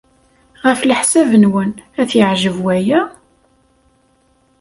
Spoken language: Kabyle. Ɣef leḥsab-nwen, ad t-yeɛjeb waya?